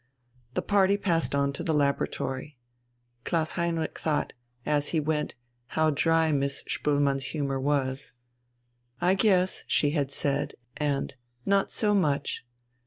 The party passed on into the laboratory. Klaus Heinrich thought, as he went, how dry Miss Spoelmann's humour was. "I guess," she had said, and "not so much."